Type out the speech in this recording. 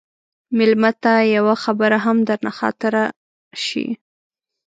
مېلمه ته یوه خبره هم درنه خاطره شي.